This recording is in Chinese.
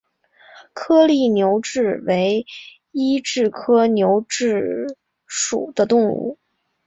颗粒牛蛭为医蛭科牛蛭属的动物。